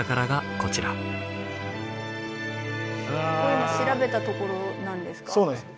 ここ今調べたところなんですか？